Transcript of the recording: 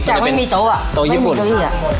แต่ไม่มีโต๊ะไม่มีเก้าอี้